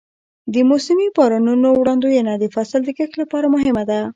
د موسمي بارانونو وړاندوینه د فصل د کښت لپاره مهمه ده.